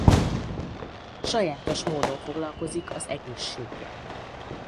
Sajátos módon foglalkozik az egészséggel.